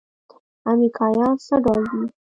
امريکايان څه ډول دي.